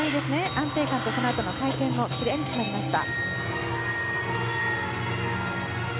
安定感とそのあとの回転もきれいに決まりました。